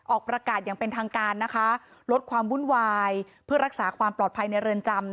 ออกประกาศอย่างเป็นทางการนะคะลดความวุ่นวายเพื่อรักษาความปลอดภัยในเรือนจำ